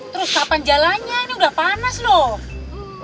terus kapan jalannya ini udah panas loh